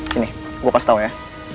sini gue pas tau ya